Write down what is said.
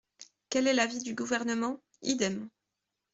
Quel est l’avis du Gouvernement ? Idem.